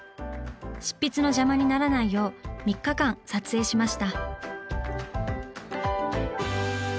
執筆の邪魔にならないよう３日間撮影しました。